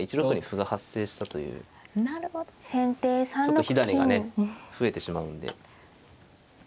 ちょっと火種がね増えてしまうんで。